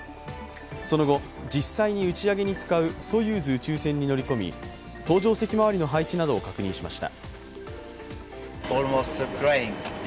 その後、実際に打ち上げに使うソユーズ宇宙船に乗り込み搭乗席まわりの配置などを確認しました。